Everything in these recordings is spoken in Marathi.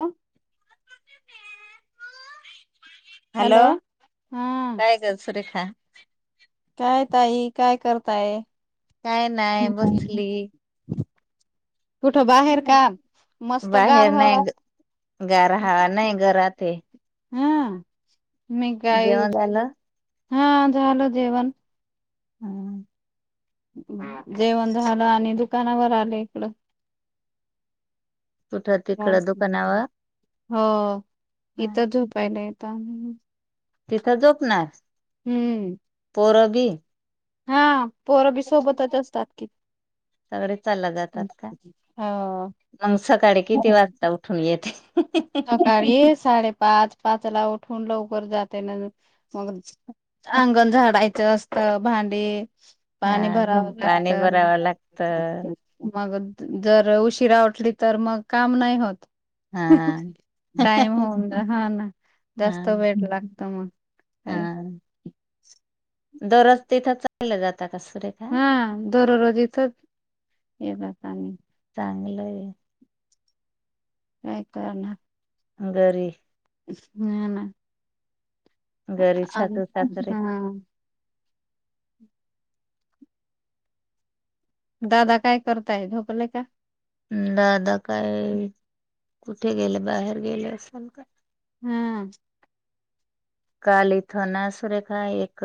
ह हॅलो हा काय गल सुरेखा काय ताई काय करताय काय नाही बसली कुठ बाहेर काम मस्त गार बाहेर नाही हवा गार ह नाही घरात हा मी गाय जेवण झालं. हा झाल जेवण हम जेवण झालं आणि दुकानावर आले इकड कुठं तिकडं दुकानावर हो इथ झोपाय नाही काय म्हणून तिथं झोपणार हम्म पोरबी हा पोरबी सोबतच असतात कि सगळे चालला जातात का हो मग सकाळी किती वाजता येते सकाळी साडेपाच पाच ला उठून लवकर जाते ना मग अंगण झाडायचं असतं भांडी पाणी हा भरावं लागत पाणी भरावं लागत मग जर उशीिरा उटली तर मग काम नाही होत हा. टाईम होऊन जा हा ना जास्त हा वेळ लागत मग हा काय दररोज तिथं चालल्या जात का सुरेख हा दररोज इथच ये चांगलंय काय काम आहे गरी हम्म घरी छातू साात रे हा दादा काय करताय झोपले का दादा काय कुठे गेलं बाहेर गेले असेल काय हम्म कालिथना सुरेखा एक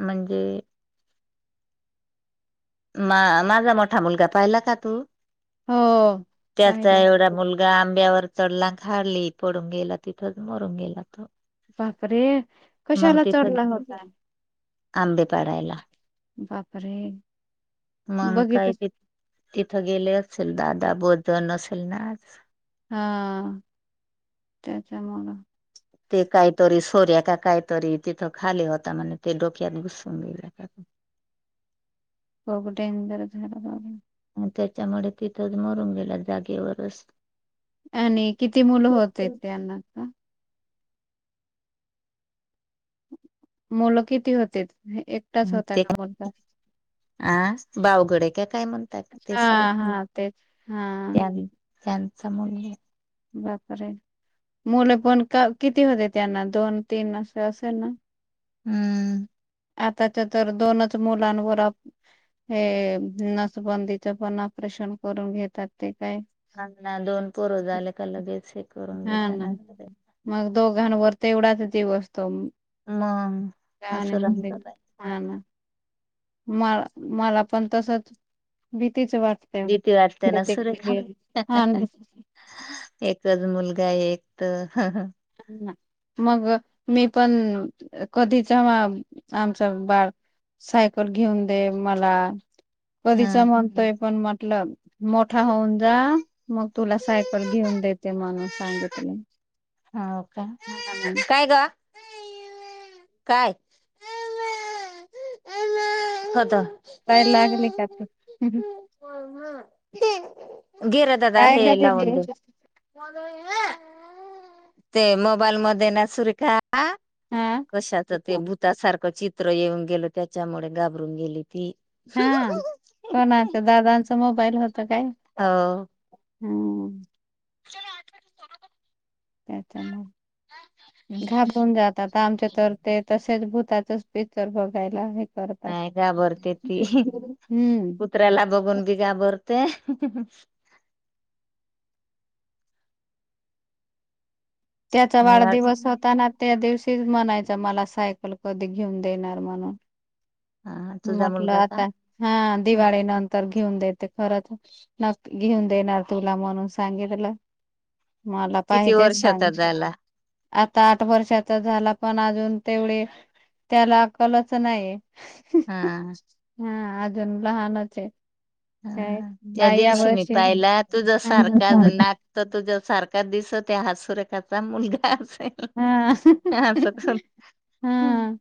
म्हणजे मा माझा मोठा मुलगा पाहिला का तू हो त्याचा पाहिला एवढा मुलगा आंब्यावर चडलां हाडली पडून गेला तिथच मरून गेला तो बापरे मग कशाला तिथं चढला होता आंबे पाडायला बापरे मग बघित काही ति तिथं गेले असेल दादा बोजन असेल ना आ हा त्याचमुळं ते काहीतरी सोर्या का काहीतरी तिथं खाली होता म्हण ते डोक्यात घुसून गेले कघडेंदर झाला त्याच्यामुळे तिथंच मरून गेला जागेवरच आणि किती मुलं होते त्यांना का मुलं किती होते एक ते अ बावगडे का काय म्हणत ते हां, सुरेख हां तेच. हां, त्यांचा मुलगा बापर ये आहे मुलं पण किती होते त्यांना दोन तीन असं असेल ना हम्म आताच्या तर दोनच मुलांवर हे नसबंदीच पण ऑपरेशन करून घेतात ते काय? हां ना दोन पोर झा आले का लगेच. करून हा ना घेताना मग मग दोघां वर ते एवढाच दिवसतो. असं रंग बाई [unintelligible] मला मला पण तसच भीतीच वाट भीती वाटते न सुरेका? हां ना. एकच मुलगा एक तर हम् मग मी पण कधीच आमचं बाळ सायकल घेऊन दे मला ह कधीच म्हणतोय पण म्हटलं मोठा होऊन जा मग तुला सायकल घेऊन देते म्हणून सांगितले. हा ओ काे काय ग काय? हता काय लागली का? घे रे दादा काय हे का लावून तिथे दे. ते मोबाईल म ना सुरेखा. हा कशाच ते भूतासारख चित्र येऊन गेल त्याच्यामुळे घाबरून गेली ती. हा कोणाचं दादांचं मोबाईल होत काय? हो हम् चलो आठ वाजे त्याच्या घाबरून जातात आमच्या तर ते तसेच भूताच पिक्चर बघायला. करतात नाही घाबरते ती हम्म कुत्र्याला बघून बी घाबरते. त्याचा मी आज वाढदिवस होताना त्या दिवशीच म्हणायचं मला सायकल कधी घेऊन देणार म्हणून हा तुझा म्हटलं मुलगा आता का हा दिवाळी नंत तर घेऊन देत खरच न घेऊन देणार तुला म्हणून सांगित तलं. मला किती पाहिजेच वर्षाचा सांगते. झाला आता आठ वर्षाचा झाला पण अजून तेवढे त्याला अकलच नाही. हा. हा अजून लहानच आहे. काय हा ज्या आ या दिवशी मी वर्षी हा पाहिला तुझ सारखा नाक तर तुझ्या सारखा दिस त्या हात सुरेखाचा मुलगा अस हा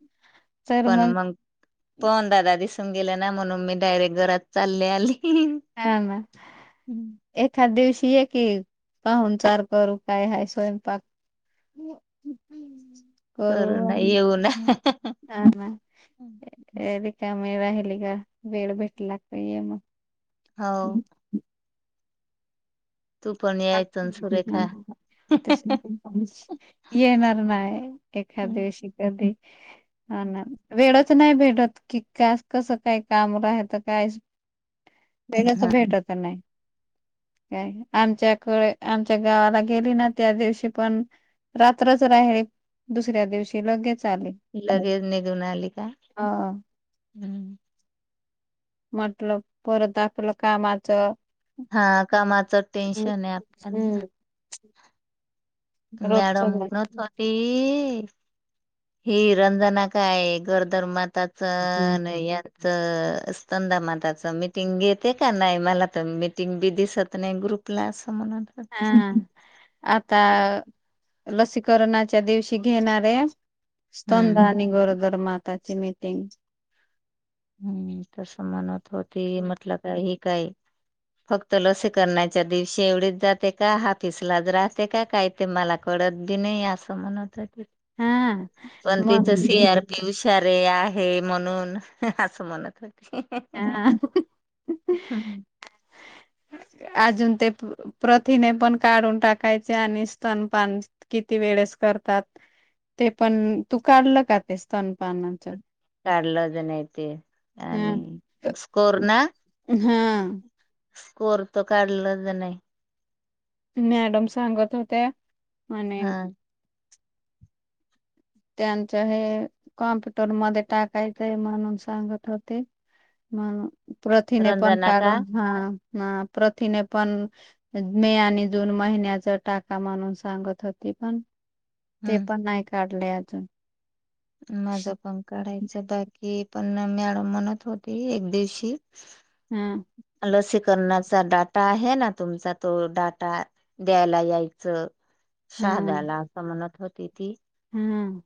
पण मग. पण दादा दिसून गेले ना म्हणून मी डायरेक्ट घरात चालले आली. हा. एखाद दिवशी ये की पाहून चार करू काय ह स्वयंपाक करू. ना येऊ ना ह ना हो र का मी राहिली का वेळ भेटला की ये मग. हो. तू पण यायचं न सुरेखा [unintelligible] त येणार नाही एखा हम्म. दिवशी कधी. हा ना वेळच नाही भेटत की का कसं काय काम राहतं काय. वेळच भेटत नाही काय आमच्या आमच्या गावाला गेली ना त्या दिवशी पण रात्रच राहिली दुसऱ्या दिवशी लगेच आलो. लगेज निघून आली का हम्म म्हटल परत आपलं कामाचं - - हा कामाच टेन्शनहे आप [unintelligible] मॅडम रोजच [unintelligible] ही रंजना काय गरदर माताचणया- - तर स्तंदा माताच मिटिंग घेते का नाही मला तर मिटिंग बी दिसत नाही. ग्रुप प्लास म्हन - - हा. आता लसीकरणाच्या दिवशी घेणारे. स्तंद हम्म आणि गरोदर माताची मीटिंग. हम्म. तस म्हणत होती म्हटलं का हे काय फक्त लसी करण्याच्या दिवशी एवढीच जाते का हाफिसलाच राहते का काही ते मला कळत दे नाही असं म्हणत होते. हा पण मग तिथं सी आर पी उशारे आहे म्हणून असं मनतकी हा. अजून ते प्रथिने पण काढून टाकायचे आणि स्तनपान - - किती वेळेस करतात ते पण तू काढलं का ते स्तनपानाच? काढलं ज नाही ते हा आणि स्कोर ना हा स्कोर तर काढलाच नाही. मॅडम सांगत होत्या आणि हा त्यांच हे कॉम्प्युटर मध्ये टाकायचंय म्हणून सांगत होते. ह प्रथिने पण रंजना का काढुन हा. ह. प्रथिने पण - - मे आणि जून महिन्याचा टाका म्हणून सांगत होती. पण ते हम्म पण नाही काढले अजून. माझं पण काढायचं बाकी ये. पण मॅडम म्हणत होती. एक दिवशी हम. लसीकरणाचा डाटा आहे ना तुमचा तो डाटा - - द्यायला यायचं. हम्म शहाद्याला असं म्हणत होती ती. हम्म.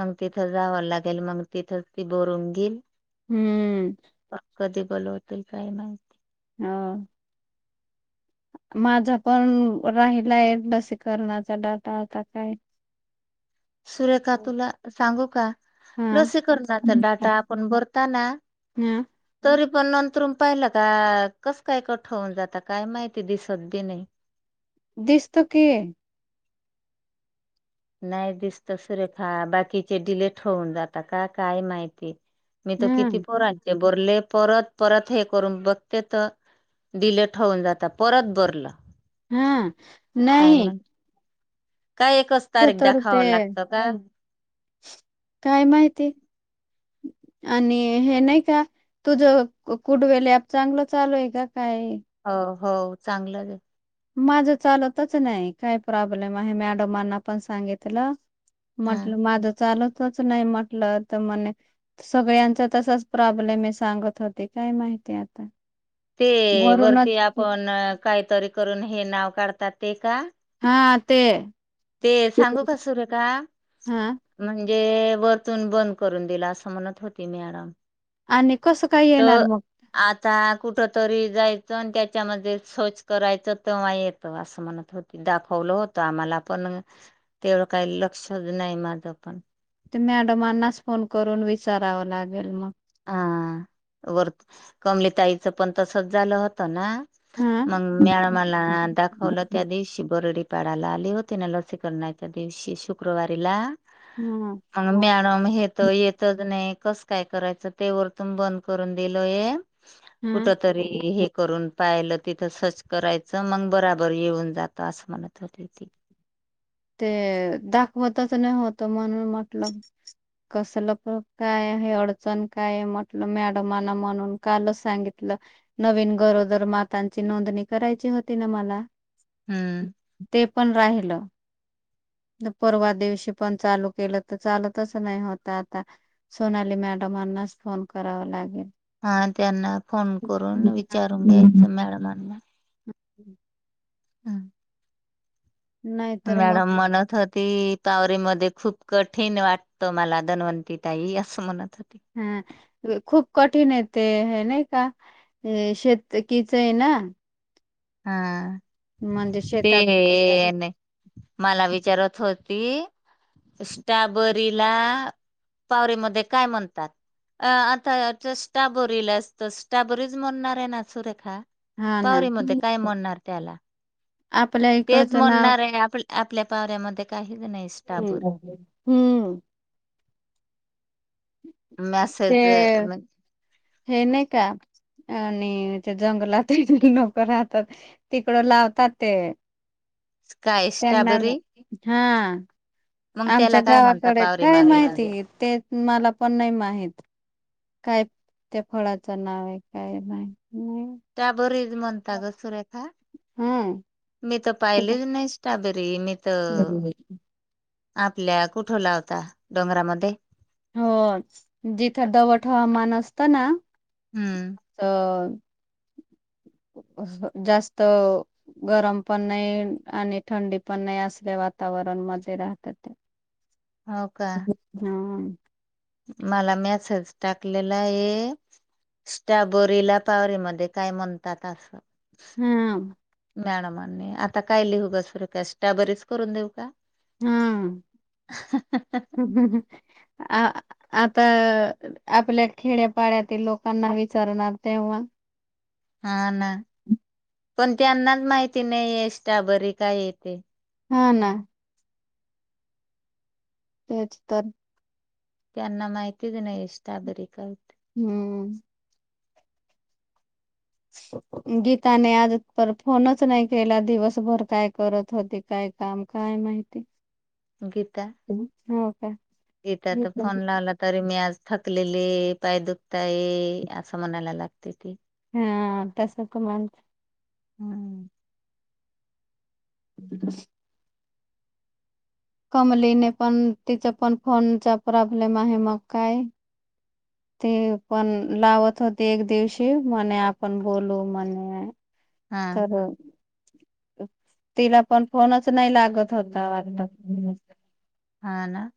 मग तिथं जावं लागेल मग, तिथंच ती बोरून घील. हम्म. कधी बलवतील काय माहित. हा. माझा पण राहिलाय लसीकरणाचा डाटा आता काय - - सुरेखा तुला सांगू का? हा लसीकरनाचा डाटा आपण भरताना हा तरी पण नंतरून पाहिलं का कस काय कठ होऊन जात काय माहिती दिसत बी नाही. दिसतो की. नाही दिसतं. सुरेखा बाकीचे डिलेट होऊन जातात का काय माहिती. मी तर किती हम्म पोरांचे बरले परत परत हे करून बघते तर दिले ठेवून जातात. परत बरलं. हम्. काय म्ह काय एकच तारीख तर ते दाखाव लागतं का? काय माहिती आणि हे नाही का? तुझ कुडवेलॅप चांगलं चालू आहे का काय? हो, हो. चांगलंच आहे. माझं चालतच नाही काय प्रॉब्लेम आहे मॅडमांना पण सांगितलं. हा. म्हटलं माझं चालतच नाही म्हटलं तर म्हणे सगळ्यांचा तसाच प्रॉब्लेम आहे सांगत होती काय माहिती आता. ते वरती वरूनच आपण काहीतरी करून हे नाव काढतात ते का? हा ते. ते सांगू का सुरेखा. हा म्हणजे वरतून बंद करून दिला असं म्हणत म्हणत होती मॅडम. आणि कसं. काय येणार त. मग आता कुठ तरी जायचं आणि त्याच्यामध्ये सर्च करायचं तेव्हा येतं असं म्हणत होते. दाखवलं होतं आम्हाला पण तेवढं काही लक्षच नाही माझं पण. ते मॅडमांनाच फोन करून विचारावं लागेल मग. हा वर कमलीताईचं पण तसच झालं होतं ना. हा मग म्याळ मला दाखवलं त्या दिवशी बर्डीत. [unintelligible] आली होती ना लसीकरणाच्या दिवशी शुक्रवारीला हम्म. अ मॅडम हे तर येतच नाही कस काय करायचं. ते वरतून बंद करून दिलय ये कुठ हा. तरी हे करून पाहिलं तिथं सर्च करायचं मग बराबर येऊन जातं असं म्हणत होते त ते दाखवतच नाही होत म्हणून म्हटल. कसलं प काय आहे अडचण काय आहे म्हटलं मॅडमांना म्हणून कालच सांगितलं. नवीन गरोदर मातांची नोंदणी करायची होती ना मला. हम्म. ते पण राहिलं. परवा दिवशी पण चालू केलं तर चालतच नाही होत आता. सोनाली मॅडमांनाच फोन करावा लागेल. हा त्यांना फोन करून विचारून घ्यायचं मॅडमांना. [unintelligible] हम. नाहीतर मॅडम मग म्हणत होती. उतावरी मध्ये खूप कठीण वाटतं मला धन्वंती ताई असं म्हणत होती. हा खूप कठीण य ते हे नाही का. ए शेत कीच ना हा म्हणजे शेतात ते. मला विचारत होती स्ट्रॉबरीला. पावरी मध्ये काय म्हणतात. अ आता स्ट्रॉबरीला असत स्ट्रॉबरीज म्हणणार आहे ना सुरेखा हा ना पावरीमध्ये काय म्हणणार त्याला. आपल्या. तेच इकडचं नाव म्हणणार आहे आप आपल्या पावऱ्यामध्ये काहीच नाही हम्म स्टाबोरी. हम्म. ते मेसेज. हे नाही का आणि ते जंगलातही लोक राहतात. तिकडं लावतात ते काय त्यांना स्ट्रॉबेरी हा. मग आमच्या त्याला काय म्हणता गावाकडे काय पावरीमध्ये माहिती ते मला पण नाही माहीत. काय त्या फळाचं नाव आहे काय माहिती नाही. त्या बरी म्हणता ग सुरेखा. हम. मी तर पाहिलेच नाही स्ट्रॉबेरी मी त आपल्या कुठे लावता डोंगरामध्ये हो जिथं दमट हवामान असतं ना. हम्म. अ जास्त. गरम पण नाही आणि थंडी पण नाही असल्या वातावरण मजे राहतात त्या हो का? हा! मला मॅसेज टाकलेला आहे. स्ट्राबरीला पावररीमध्येध्ये काय म्हणतात असं, हा! मॅडमांनी आता काय लिहू घसरख स्टाबरीच करून देऊ का? हा! आ आता आपल्या खेड्यापाड्यातील लोकांना विचारणार तेव्हा, हा ना पण त्यांनाच माहिती नाही आहे स्टाबरी काय येते. हा ना! तेच तर, त्यांना माहितीच नाही स्ट्रॉबेरी काय आहे. हम्म! गीताने आज पर फोनच नाही केला दिवसभर काय करत होती काय. काम काय माहिती. गीता हो का गीता तर फोन लावला. तरी मी आज थकलेली पाय दुखता ये असं म्हणायला लागते ती. हा तसं क मण. हम्म! स का [unintelligible] कमलीने पण तिचा पण फोनचा प्रॉब्लेम आहे मग काय, ते पण लावत होते एक दिवशी मणे आपण बोलू म्हणे. हा तर, तिला पण फोनच नाही लागत होता वाटता. हा ना!